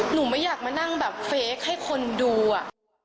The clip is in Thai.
หนูไม่อยากมานั่งแบบเฟคให้คนดูอะ